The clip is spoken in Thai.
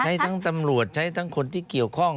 ทั้งตำรวจใช้ทั้งคนที่เกี่ยวข้อง